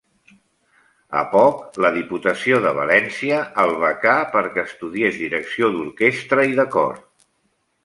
A poc, la Diputació de València el becà perquè estudiés Direcció d'orquestra i de cor.